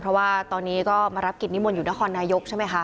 เพราะว่าตอนนี้ก็มารับกิจนิมนต์อยู่นครนายกใช่ไหมคะ